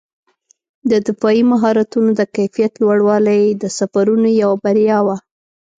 د دفاعي مهارتونو د کیفیت لوړوالی یې د سفرونو یوه بریا وه.